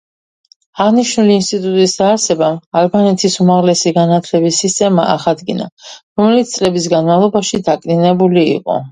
აღნიშნული ინსტიტუტის დაარსებამ, ალბანეთის უმაღლესი განათლების სისტემა აღადგინა, რომელიც წლების განმავლობაში დაკნინებული იყო.